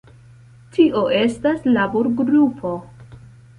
Tio estas laborgrupo.